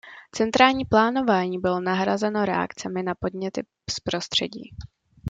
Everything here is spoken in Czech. Centrální plánování bylo nahrazeno reakcemi na podněty z prostředí.